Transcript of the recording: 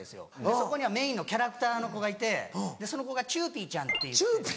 そこにはメインのキャラクターの子がいてその子がチューピーちゃんっていって。